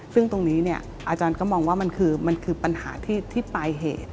ซึ่งตรงนี้อาจารย์ก็มองว่ามันคือมันคือปัญหาที่ปลายเหตุ